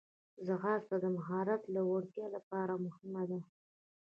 ځغاسته د مهارت لوړتیا لپاره مهمه ده